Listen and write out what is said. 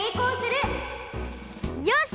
よし！